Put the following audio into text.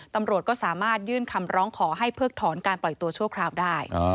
ตำรวจก็สามารถยื่นคำร้องขอให้เพิกถอนการปล่อยตัวชั่วคราวได้